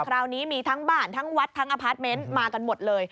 คราวนี้มีทั้งบ้านทั้งวัดทั้งอพาร์ทเมนต์มากันหมดเลย